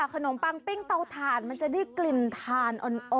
ขนมปังปิ้งเตาถ่านมันจะได้กลิ่นทานอ่อน